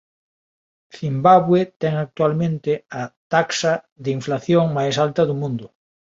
Cimbabue ten actualmente a taxa de inflación máis alta do mundo.